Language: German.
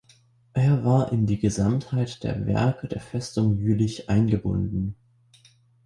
Er war in die Gesamtheit der Werke der Festung Jülich eingebunden.